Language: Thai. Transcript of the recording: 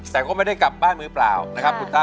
แต่ก็ไม่ได้กลับบ้านมือเปล่านะครับคุณต้า